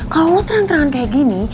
kalau lo terang terangan kayak gini